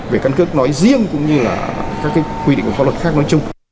về cân cước nói riêng cũng như là các cái quy định của pháp luật khác nói chung